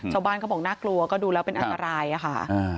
เขาบอกน่ากลัวก็ดูแล้วเป็นอันตรายอะค่ะ